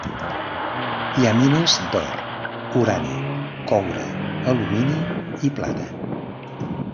Hi ha mines d'or, urani, coure, alumini i plata.